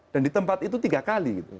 dan di tempat itu tiga kali